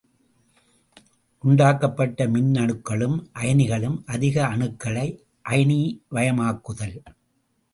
உண்டாக்கப்பட்ட மின்னணுக்களும் அயனிகளும் அதிக அணுக்களை அயனிவயமாக்குதல்.